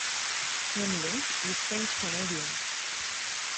Hamelin is French Canadian.